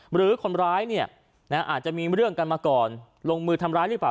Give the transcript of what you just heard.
หรือคนร้ายเนี่ยอาจจะมีเรื่องกันมาก่อนลงมือทำร้ายหรือเปล่า